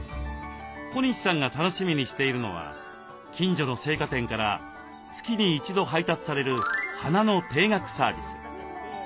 小西さんが楽しみにしているのは近所の生花店から月に一度配達される花の定額サービス。